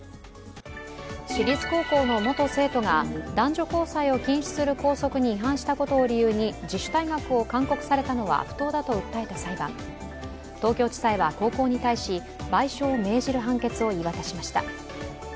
私立高校の元生徒が男女交際を禁止する校則に違反したことを理由に自主退学を勧告されたのは不当だと訴えた裁判東京地裁は高校に対し賠償を命じる判決を言い渡しました。